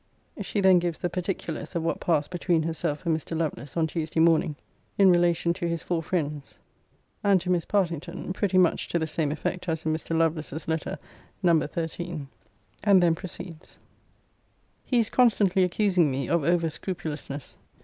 [She then gives the particulars of what passed between herself and Mr. Lovelace on Tuesday morning, in relation to his four friends, and to Miss Partington, pretty much to the same effect as in Mr. Lovelace's Letter, No. XIII. And then proceeds:] He is constantly accusing me of over scrupulousness.